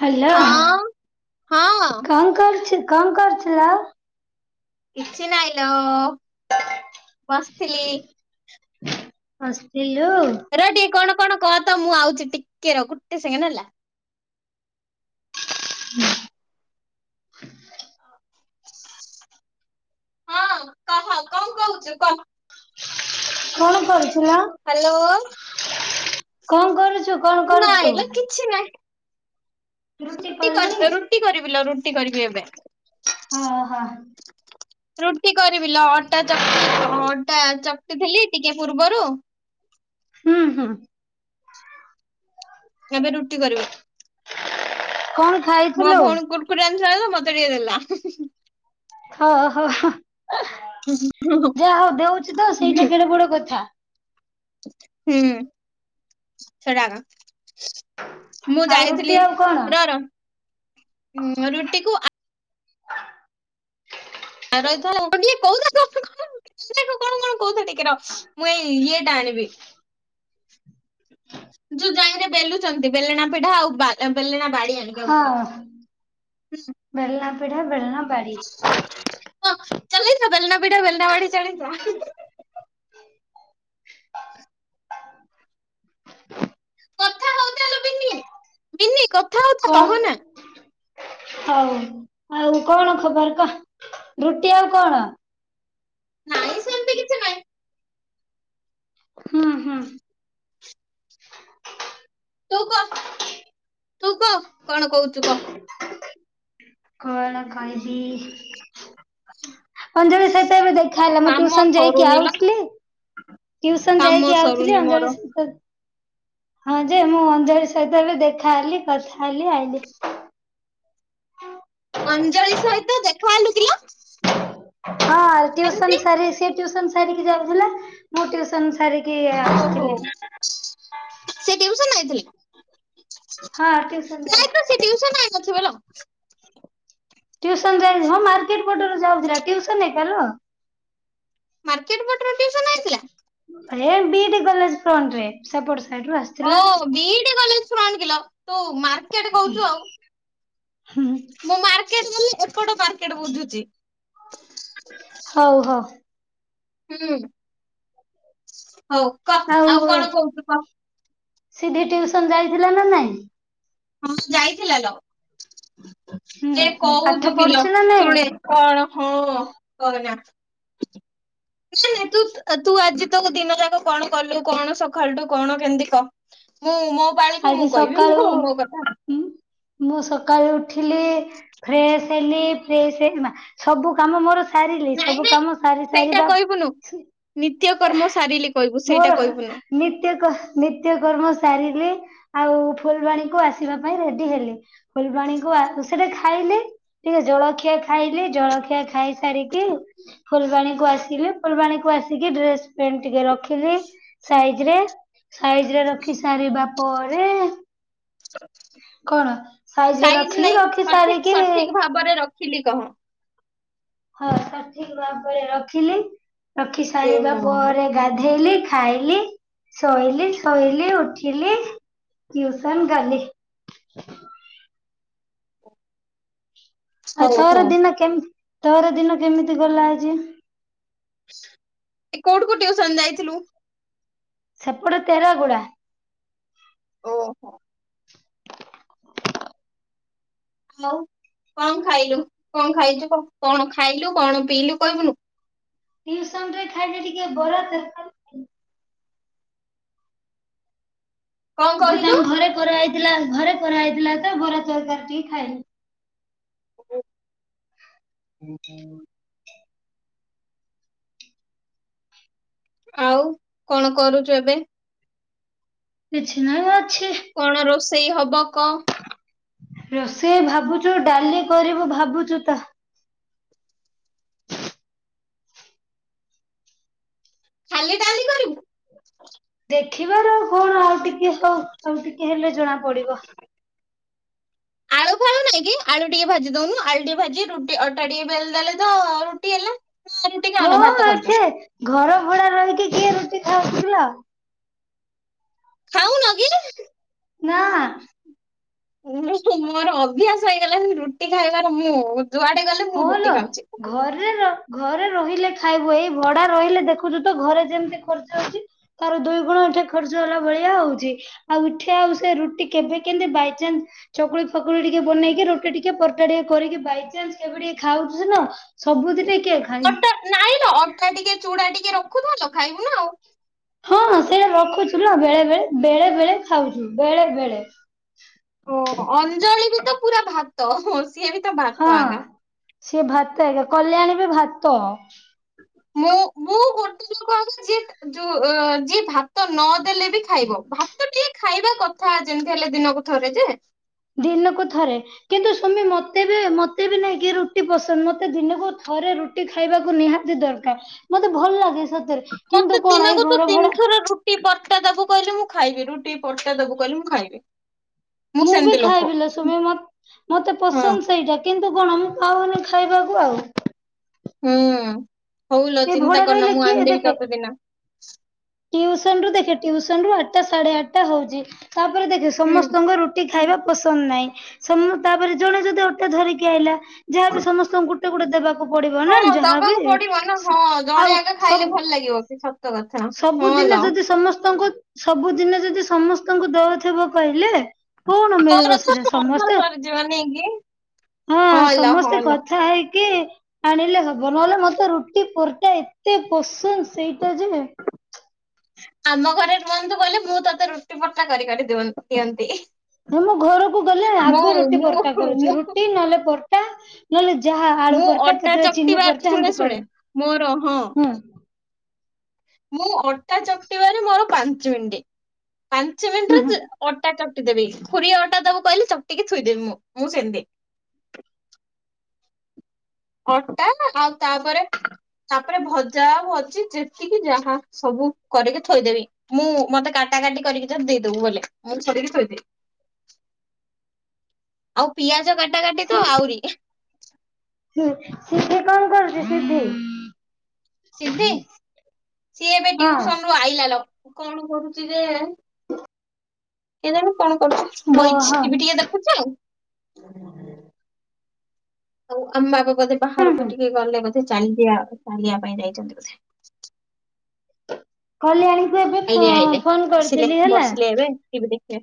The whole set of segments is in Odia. ହଲୋ ହଁ ହଁ କଣ କରୁଚୁ? କଣ କରୁଥିଲ? କିଛି ନାହିଁ ଲୋ ବସିଥିଲି। [unintelligible] ରେ ଟିକେ କଣ କଣ କହ ତ ମୁଁ ଆଉଛି ଟିକେ ର ଗୋଟେ ସେକେଣ୍ଡ ହେଲା। ହଁ କହ କଣ କହୁଛୁ କ? କଣ କରୁଚୁଲୋ? କଣ କରୁଛୁ? କଣ କରୁଛୁ? ନାଇଁଲୋ କିଛି ନାହିଁ ରୁଟି ରୁଟି କରିବି ଲୋ ରୁଟି କରିବି ଏବେ। ଓହୋ ରୁଟି କରିବି ଲୋ ଅଟା ଚକି ହଁ ଅଟା ଥିଲି, ଟିକେ ପୂର୍ବରୁ। ହୁଁ, ହୁଁ। କେବେ ରୁଟି କରିବେ? କଣ ଖାଇଥିଲୁ? ସେ ଖାଇବ। ମତେ ଟିକେ ଦେଲା। [unintelligible] ଯା, ହଉ ଦଉଛି ତ ସେଇଟା କେଡେ ବଡ କଥା। ହୁଁ, ସେଟା। ମୁଁ ଆଉ ରୁଟି ଯାଇଥିଲି। ଆଉ କଣ? ର, ର ରୁଟିକୁ। [inaudible] [unintelligible] [inaudible] ଯୋଉ ଜାଇରେ ବେଲୁଛନ୍ତି, ବେଲଣା ପିଢା ଆଉ। ବାଡି ଆଣିକି ଆଉଚି ରହ। ହଁ, ଭଲ। [inaudible] [unintelligible] [unintelligible] [inaudible] କଥା ହଉଥିଲୁ ମିନି। ମିନି କଥା ହଉଥା। କଣ ରହନା। ହଉ ଆଉ କଣ ଖବର କହ। ରୁଟି ଆଉ କଣ? ନାଇଁ, ସେମିତି କିଛି ନାହିଁ। ହୁଁ, ହୁଁ। ତୁ, କହ। ତୁ, କହ। କଣ କହୁଛୁ କହ? କଣ ଖାଇ। ଅଞ୍ଜଳି ସହିତ ଏବେ ମୋର ଦେଖାହଲା। ମୁଁ କାମ ଟ୍ୟୁସନ୍ ଯାଇକି ସରୁନି ଲୋ ଆଉଥିଲି। ଟ୍ୟୁସନ୍ କାମ ଯାଇକି ଆଉଥିଲି। ସରୁନି ମୋର। ଅଞ୍ଜଳି ସହିତ ହଁ, ଯେ, ମୁଁ ଅଞ୍ଜଳି ସହିତ ବି ଦେଖା ହେଲି। କଥା ହେଲି। [unintelligible] [inaudible] ଅଞ୍ଜଳି ସହିତ ଦେଖା ହେଲୁ କିଲୋ? ହଁ, ଟ୍ୟୁସନ୍ କେମିତି ସାରି ସେ। ଟ୍ୟୁସନ୍ ସାରିକି ଯାଉଥିଲା। ମୁଁ ଟ୍ୟୁସନ୍ ସାରିକି। ଆସିଥିଲି ଓହୋଃ। ସେ ଟ୍ୱଇସନ୍ [inaudible] ହଁ, ଟ୍ୟୁସନ ଯାଇଥିଲା। [unintelligible] [unintelligible] ମାର୍କେଟ ପଟରେ ଟିଉସନ ହେଇଥିଲା? ଏ ବି, ଡ଼ି କଲେଜ ଫ୍ରଣ୍ଟରେ ସେପଟ ସାଇଡରୁ ଆସିଥିଲା। [unintelligible] କେଟେ କହୁଛୁ ଆଉ? ହୁଁ ମୁଁ ମାର୍କେଟ ଗଲେ ଏପଟ ମାର୍କେଟ ବୁଝୁଛି। ହୋଉ ହୋଉ। ହୁଁ। ହୋଉ କହ ଆଉ କଣ କହୁଛୁ କହ? ସିଧି ଟିଉସନ ଯାଇଥିଲା ନା ନାଇଁ? ହଁ ଯାଇଥିଲା ଲୋ। ହୁଁ ଏ ହୁଁ ପାଠ କହୁଛୁ କିଲୋ ପଢୁଛୁ ନା ନାଇଁ ଶୁଣେ କଣ ହଁ କହନା। ନାଇଁ ନାଇଁ ତୁ ତୁ ଆଜି ତ ଦିନ ଯାକ କଣ କଲୁ କଣ ସକାଳଠୁ କଣ କେମିତି କ? ମୁଁ ମୋ ପାଳିକୁ ଆଜି ମୁଁ କହିବି ସକାଳୁ ମୋ କଥା। ମୁଁ ସକାଳୁ ଉଠିଲି ଫ୍ରେଶ ହେଲି ଫ୍ରେସ ସବୁ କାମ ମୋର ସାରିଲି ନାଇଁ ସବୁ ନାଇଁ କାମ ସାରି ସେଇଟା ସାରିବା କହିବୁନୁ ନିତ୍ୟ କର୍ମ ସାରିଲି କହିବୁ ସେଇଟା ମୋର କହିବୁନୁ ନିତ୍ୟ ନିତ୍ୟ କର୍ମ ସାରିଲି ଆଉ ଫୁଲବାଣୀକୁ ଆସିବା ପାଇଁ ରେଡି ହେଲି। ଫୁଲବାଣୀକୁ ଆ ସେଟା ଖାଇଲି। ଟିକେ ଜଳଖିଆ ଖାଇଲି ଜଳଖିଆ ଖାଇ ସାରିକି ଫୁଲବାଣୀ କୁ ଆସିଲି ଫୁଲବାଣୀ କୁ ଆସିକି ଡ୍ରେସ ପେଣ୍ଟେ ରଖିଲି, ସାଇଜ ରେ ରଖି ସାରିବା ପରେ କଣ ସାଇଜରେ ସାଇଜ ରଖିଲି ନାଇଁ ରଖି ସଠିକ ସାରିକି ସଠିକ ଭାବରେ ରଖିଲି କହ। ହଁ ସଠିକ ଭାବରେ ରଖିଲି। ରଖି ଏ ସାରିବା ମା ପରେ ଗାଧେଇଲି। ଖାଇଲି, ଶୋଇଲି, ଶୋଇଲି, ଉଠିଲି, ଟିଉସନ ଗଲି। ଆଉ ହଉ ତୋର ହଉ ଦିନ କେମତି? ତୋର ଦିନ କେମିତି ଗଲା ଆଜି? ଏ କୋଉଠିକୁ ଟିଉସନ ଯାଇଥିଲୁ। ସେପଟ ତେର ଗୁଡା। ଓହୋ। ହୋଉ କଣ ଖାଇଲୁ କଣ ଖାଇଛୁ କଣ ଖାଇଲୁ କଣ ପିଇଲୁ କହିବୁନୁ। ଟିଉସନ ରେ ଖାଇଲେ ଟିକେ ବରା ତରକାରୀ। କଣ କହିଲୁ? ଗୋଦାମ ଘରେ କରାହେଇଛି। ଥିଲା ଘରେ କରାହେଇଥିଲାତ ଘର ତରକାରୀ ଟିକେ ଖାଏ ହୁଁ ଆଉ କଣ କରୁଛୁ ଏବେ କିଛି ନାଁଇ ଅଛି କଣ ରୋଷେଇ ହବ କହ ରୋଷେଇ ଭାବୁଛୁ ଡାଲି କରିବୁ ଭାବୁଛୁ ତ ଖାଲି ଡାଲି କରିବୁ ଦେଖିବି କଣ ଆଉ ଟିକେହଉ ଆଉ ଟିକିଏହେଲେ ଜଣା ପଡିବ ଆଳୁ ଫାଳୁ ନାଇଁକି ଆଳୁ ଟିକେ ଭାଜି ଦଉନୁ ଆଳୁ ଟିକେ ଭାଜି ରୁଟି ଅଟା ଟିକେ ବେଲିଦେଲତ ରୁଟି ହେଲା ନା ରୁଟି ଖାଉନ ହଁ ଭାତ ଖାଉଛ ଆଛେ ଘର ଭଡା ରହିକି କିଏ ରୁଟି ଖାଉଥିଲା ଖାଉନକିି ନାଁ ମୋର ଅଭ୍ୟାସ ହେଇଗଲାଣି ରୁଟି ଖାଇବାର ମୁଁ ଯୁଆଡେ ଗଲେ ମୁଁ ରୁଟି ହଁଲୋ ଖାଉଛି। ଘରେ ର ଘରେ ରହିଲେ ଖାଇବୁ ଏଇ ଭଡା ରହିଲେ ଦେଖୁଛୁ ତ ଘରେ ଯେମିତି ଖର୍ଚ୍ଚ ହଉଛି ତାର ଦୁଇ ଗୁଣ ଏଠି ଖର୍ଚ୍ଚ ହେଲା ଭଳିଆ ହଉଛି ଆଉ ଏଠି ଆଉ ସେ ରୁଟି କେବେ କେମିତି ବାଇଚାନ୍ସ ଚକୁଳି ଫକୁଳି ଟିକେ ବନେଇକି ରୁଟି ଟିକେ ପରଟାଟିକେ କରିକି ବାଇଚାନ୍ସ କେବେ ଟିକେ ଖାଉଛିନା ସବୁଦିନ ଅଟା ନାଇଁଲୋ ଅଟାଟିକିଏ ଚୁଡାଟିକିଏଟି ରଖି ରଖୁତା ଖାଇବୁ ନା ଆଉ। ହଁ ସେଇଟା ରଖୁଛୁଲୋ ବେଳେ ବେଳେ ବେଳେ ବେଳେ ଖାଉଛୁ ବେଳେ ବେଳେ ଓହୋ ଅଞ୍ଜଳିକିତ ପୁରା ଭାତ ସିଏବିତ ଭାତ ହଁ। ଆଣିଲା ସିଏ ଭାତ ଆଜ୍ଞା କଲ୍ୟାଣ ବି ଭାତ ମୁଁ ମୁଁ ଗୋଟେ ଲୋକ ଆ ଯିଏ ଯୋଉ ଯୋ ଯିଏ ଭାତ ନଦେଲେ ବି ଖାଇବ ଭାତ ଟିକେ ଖାଇବା କଥା ଯେମିତି ହେଲେ ଦିନକୁ ଥରେ ଯେ ଦିନକୁ ଥରେ କିନ୍ତୁ ସୁମୀ ମତେ ବି ମତେ ବି ନାଇକି ରୁଟି ପସନ୍ଦ ମତେ ଦିନକୁ ଥରେ ରୁଟି ଖାଇବାକୁ ନିହାତି ଦରକାର ମତେ ଭଲ ଲାଗେ। ସତରେ କିନ୍ତୁ ମତେ କଣ ଏଇ ଦିନକୁ ତୁ ଘର ଭଡା ତିନିଥର ରୁଟି ପରଟା ଦବୁ କହିଲେ ମୁଁ ଖାଇବି ରୁଟି ପରଟା ଦବୁ କହିଲି ମୁଁ ଖାଇବି ମୁଁ ବି ସେମିତି ଲୋକ ଖାଇବିଲୋ ସୁମି ମତେ ହଁ। ପସନ୍ଦ ସେଇଟା କିନ୍ତୁ ତୁକଣ ମୁଁ ପାଉନି ଖାଇବାକୁ ଆଉ ହୁଁ ହୋଉଲ ଏ ଚିନ୍ତା ଭଡା କରନା ରହିଲେ ମୁଁ କିଏ ଆଣିଦେବି ଦେଖେ ତତେ ଦିନା ଟିଉସନ ରୁ ଦେଖେ ଟିଉସନ ରୁ ଆଠଟା ସାଢେ ଆଠଟା ହଉଛି। ତାପରେ ଦେଖ ହୁଁ। ସମସ୍ତଙ୍କ ରୁଟି ଖାଇବା ପସନ୍ଦ ନାହିଁ ସୁଣୁନୁ ତାପରେ ଜଣେ ଯଦି ଅଟା ଧରିକି ଆଇଲା ଯାହାବି ସମସ୍ତଙ୍କୁ ଗୋଟେ ଗୋଟେ ଦେବାକୁ ପଡିବନା ହଁ ଯାହାବି ଦବାକୁ ପଡିବ ନା ହଁ ଆଉ ଜଣେ ଆଗେ ଖାଇଲେ ଭଲ ଲାଗିବ କି ସତ କଥା। ସବୁ ହଁ ସବୁଦିନ ଲୋ ଯଦି ସମସ୍ତେ ସମସ୍ତଙ୍କୁ ସବୁଦିନ ଯଦି ସମସ୍ତଙ୍କୁ ଦଉଥିବ କହିଲେ କଣ ମିଳିବ ତୋର ତ ସେଟା ଅଧା ସମସ୍ତେ ସରିଯିବ ନେଇକି ହଁ ଲୋ ହଁ ସମସ୍ତେ ଲୋ। କଥା ହେଇ କି ଆଣିଲେ ହବ ନହେଲେ ମତେ ରୁଟି ପରଟା ଏତେ ପସନ୍ଦ ସେଇଟା ଯେ ଆମ ଘରେ ରୁହନ୍ତୁ କହିଲେ ମୁଁ ତୋତେ ରୁଟି ପରଟା କରିକରିି ଦିଅନ୍ତି। ମୁଁ ଘରକୁ ଗଲେ ମୁଁ ଆଗ ରୁଟି ମୁଁ ପରଟା କରୁଛି ମୁଁ ରୁଟି ନହେଲେ ପର ଟା ନହେଲେ ଯାହା ଆଳୁ ମୁଁ ପରଟା ଅଟା କେତେବେଳେ ଚିନି ଚକଟିବା ପରଟା ଶୁଣେ ଏମତି ଶୁଣେ କରୁ ମୋର ହଁ ହୁଁ। ମୁଁ ଅଟା ଚକଟିବାରେ ମୋର ପାଞ୍ଚ ମିନିଟ ପାଞ୍ଚ ହୁଁ ମିନିଟରେ ହୁଁ। ତୁ ଅଟା ଚ ଦେବି ଖୁରିଏ ଅଟା ଦବୁ କହିଲେ ଚକଟିକି ଥୁଇଦେବି ମୁ ମୁଁ ସେମତି। ଅଟା ଆଉ ତାପରେ ତାପରେ ଭଜା ଭଜି ଯେତିକି ଯାହା ସବୁ କରିକି ଥୋଇଦେବି ମୁଁ ମତେ କାଟାକାଟି କରିକି ଦେଇଦବୁ [unintelligible] ମୁଁ କରିକି ଥୋଇଦବି ଆଉ ପିଆଜ କା କାଟାକାଟି ତ ଆହୁରି ସିଧି କଣ କରୁଛି ସିଧି। ସିଦ୍ଧି ସିଏ ଏବେ ହଁ ଟିଉସନରୁ ଆଇଲା ଲୋ କଣ କରୁଛି ଯେ କେଜାଣି କଣ କରୁ ଓହୋ ବଇଚି ଟିଭି ଟିକେ ଦେଖୁଛି ଆଉ। [inaudible] ଆଉ [unintelligible] ବୋଧେ ହୁଁ ବାହାରକୁ ହୁଁ ଟିକେ ଗଲେ ବୋଧ୍ ଚାଲିଆ ଚାଲିିବା ଚାଲିବା ପାଇଁ ଯାଇଛନ୍ତି ବୋଧେ। କଲ୍ୟାଣୀ ଆଇଲେ ଆଇଲେ ଆସିଲେ ବସିଲେ ଏବେ ଟିଭି [inaudible]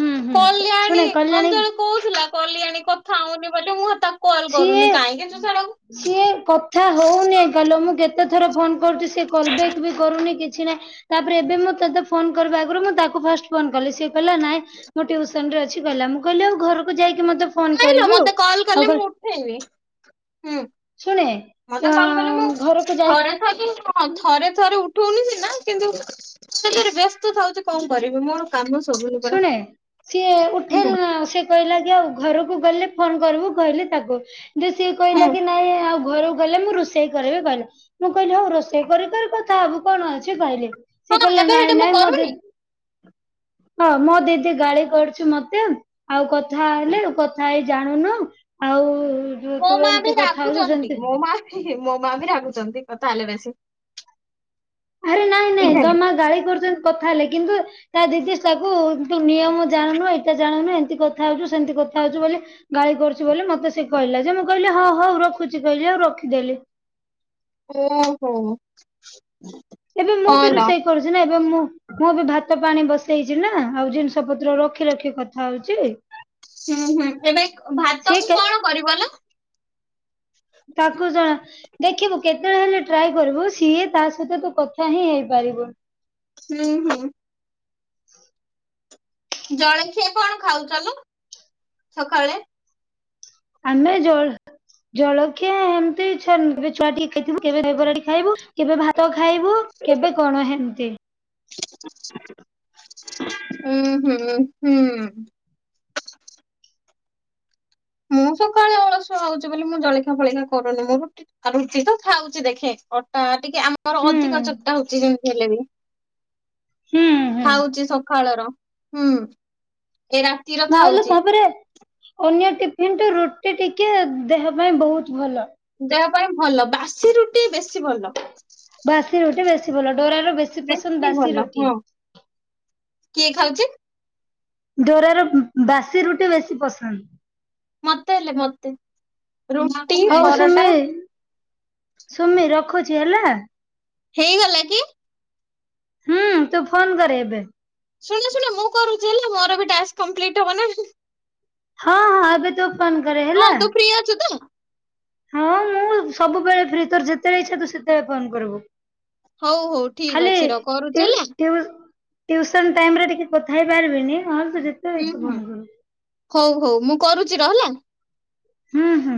ହୁଁ ହୁଁ କଲ୍ୟାଣୀ ଶୁଣେ କଲ୍ୟାଣୀ ଅଞ୍ଜଳି କହୁଥିଲା କଲ୍ୟାଣୀ କ ଖାଉନି ପାଲୋ ମୁଁ ତାକୁ କଲ୍ ସିଏ କରୁନି କାହିଁକି ସେ ଶଳାକୁ ସିଏ କଥା ହଉନି ଏକାଲୋ ମୁଁ କେତେଥର ଫୋନ କରୁଛି ସଏ କଲ ବ୍ୟାକ୍ ବି କରୁନି କି କିଛି ନାଇ ତାପରେ ଏବେ ମୁଁ ତୋତେ ଫୋନ କରିବା ଆଗରୁ ମୁଁ ତାକୁ ଫାଷ୍ଟ ଫୋନ କଲି ସିଏ କହିଲା ନାଇଁ ମୁ ଟ୍ୟୁସନ ରେ ଅଛି କହିଲା ମୁଁ କହିଲି ଆଉ ଘରକୁ ଯାଇକ ମତେ ଫୋନ କରିବୁ ଆଉ କ ଠେଇବି - ହୁଁ ମତେ କଲ କଲେ ମୁଁ ଅଁ ଘରକୁ ଯାଇକି ଥରେ ଥରେ ହ ଥରେ ଥରେ ଉ ଉଠୋଉନି ସିନା କିନ୍ତୁ ସେ ଭାରି ବ୍ୟସ୍ତ ଥାଉଚି କଣ କରିବି ମୋର କାମ ସରୁନି ପରା ଶୁଣେ ସିଏ ଉଠେଇଲେ ହୁଁ ନା ସେ କହିଲାକି ଆଉ ଘରକୁ ଗଲେ ଫୋନ କରିବୁ କହିଲି ତାକୁ ଯେ ସିଏ ହୁଁ କହିଲା କି ନାଇଁ ଆଉ ଘରକୁ ଗଲେ ମୁଁ ରୁଷେଇ କରିବି କିହିଲା ମୁଁ କହିଲି ହଉ ରୋଷେଇ କରି କରି କଥା ହବୁ କଣ ଅଛି କହିଲି ସେ ହଁ କହିଲେ ଏବେ ହେଠି ନାଇଁ ମୁଁ ନାଇଁ ମୋ ଦି କରୁନି ହଁ ମୋ ଦିଦି ଗାଳି କରୁଚି ମତେ ଆଉ କଥା ହେଲେ କଥା ହେଇ ଜାଣୁନୁ ଆଉ ଯୋଉ ମୋ ତୁ ମା ଏମିତି ବି କଥା ହଉଛୁ ରାଗୁଚନ୍ତି ସେମିତି ମୋ ମା ବି ମୋ ମା ବି ରାଗୁଚନ୍ତି କ ଥା ହେଲେ ବେସି। ଆରେ ନାଇଁ ନାଇଁ ଧରିନିଅ ଗାଳି କରୁଚନ୍ତି କଥା ହେଲେ କିନ୍ତୁ ତା ଦିଦି ସବୁ ତୁ ନିୟମ ଜାଣୁନୁ ଏଇଟା ଜାଣୁନୁ ଏମିତି କଥା ହଉଚୁ ସେମିତି କଥା ହଉଚୁ ବୋଲି ଗାଳି କରୁଚୁ ବୋଲି ମତେ ସେ କହିଲା ଯେ ମୁଁ କହିଲି ହଁ ହଉ ରଖୁଚି କହିଲି ଆଉ ରଖିଦେଲି। ଓ ହୋ। ଏବେ ମୁଁ ବି ରୁଷେଇ କରୁଚି ନା ଏବେ ମୁଁ ମୁଁ ବି ଭାତ ପାଣି ବସେଇଚି ନା ଆଉ ଜିନିଷ ପତ୍ର ରଖି ରଖି କଥା ହଉଚି। ହୁଁ ହୁଁ ଏବେ ଭାତ କୁ କେ କଣ କରିବଲୋ? ତାକୁ ଜଣା ଦେଖିବୁ କେତେବେଳେ ହେଲେ ଟ୍ରାଏ କରିବୁ ସିଏ ତା ସହିତ ତୁ କଥା ହିଁ ହେଇପାରିବୁ। ହୁଁ ହୁଁ। ଜଳଖିଆ କଣ ଖାଉଚ ଲୋ ସକାଳେ? ଆମେ ଜଳ ଜଳଖିଆ ଏମତି ଛନ୍ ଛୁଆଟି ଖାଇଥିବୁ କେବେ ଦହିବରା ଖାଇବୁ କେବେ ଭାତ ଖା ଖାଇବୁ କେବେ କଣ ହେନ୍ତି। ହୁଁ ହୁଁ ହୁଁ। ମୁଁ ସକାଳେ ଅଳସୁଆ ହଉଛି ବୋଲି ମୁଁ ଜଳଖିଆ ଫଳଖିଆ କରୁନି ମୁଁ ର ରୁଟି ତ ଥାଉଚି ଦେଖେ ଅଟା ଟିକେ ଆମର ହୁଁ ଅଧିକ ଚଟା ହଉଚି ଯେମିତି ହେଲ ବି ହୁଁ ହୁଁ। ଖାଳର ହୁଁ। ଏ ରାତିର ଭାବିଲ ଖାଉଛି। ତାପରେ ଅନ୍ୟ ଟିଫିନରେ ରୁଟି ଟିକେ ଦେହ ପାଇଁ ବହୁତ ଭଲ। ଦେହ ପାଇଁ ଭଲ ବାସି ରୁଟି ବେଶୀ ଭଲ। ବାସି ରୁଟି ବେଶୀ ଭଲ ଡୋରାର ବେଶୀ ପସନ୍ଦ ଭଲ ବାସି ରୁଟି। ହଁ କିଏ ଖାଉଛି। ଡୋରାର ବାସି ରୁଟି ବେଶୀ ପସନ୍ଦ। ମୋତେ ହେଲେ ମୋତେ ରୁଟି ହଉ ପରଟା। ସୁମି ସୁମି ରଖୁଛି ହେଲା। ହେଇଗଲା କି? ହୁଁ ତୁ ଫୋନ କରେ ଏବେ। ଶୁଣ ଶୁଣ ମୁଁ କରୁଛି ହେଲା, ମୋର ବି ଟାସ୍କ୍ କମ୍ପପ୍ଲିଟ୍ ହବ ନା। ହଁ ହଁ ଏବେ ତୁ ଫନ୍‌ କରେ ହଁ ହେଲା। ତୁ ଫ୍ରି ଅଛୁ ତ? ହଁ ମୁଁ ସବୁବେଳେ ଫ୍ରି ତୋର ଯେତେବେଳେ ଇଛା ତୁ ସେତେବେଳେ ଫୋନ୍ କରିବୁ। ହଉ ହଉ ଠିକ ଅଛି ର କରୁଛି ହେଲା। ଟ୍ୟୁସନ ଟାଇମ ରେ ଟିକେ କଥା ହେଇ ପାରିବିନି। ହୁଁ ହୁଁ ହଉ ହଉ ମୁଁ କରୁଛି ର ହେଲା ହୁଁ ହୁଁ